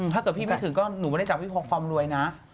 ถ้าเกิดพี่มาถึงก็หนูไม่ได้จับพี่พกความรวยนะ